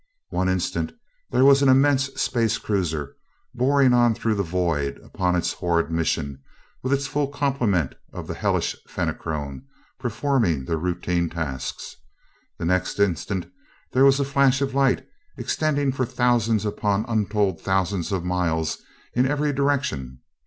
One instant, there was an immense space cruiser boring on through the void upon its horrid mission, with its full complement of the hellish Fenachrone performing their routine tasks. The next instant there was a flash of light extending for thousands upon untold thousands of miles in every direction.